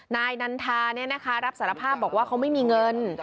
นายนันทารับสารภาพบอกว่าเขาไม่มีเงิน